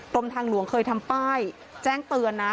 กรมทางหลวงเคยทำป้ายแจ้งเตือนนะ